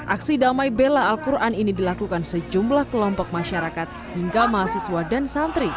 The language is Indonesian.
aksi damai bela al quran ini dilakukan sejumlah kelompok masyarakat hingga mahasiswa dan santri